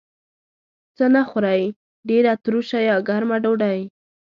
څه نه خورئ؟ ډیره تروشه یا ګرمه ډوډۍ